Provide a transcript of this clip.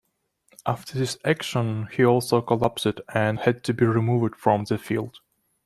After this action, he also collapsed and had to be removed from the field.